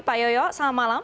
pak yoyo selamat malam